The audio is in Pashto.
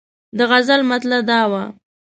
د غزل مطلع دا وه.